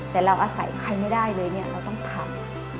แต่เราอาศัยใครไม่ได้เลยเนี่ยเราต้องทำ